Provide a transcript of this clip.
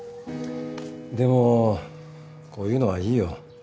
でもこういうのはいいよ。